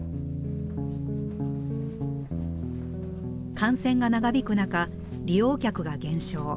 感染が長引く中利用客が減少。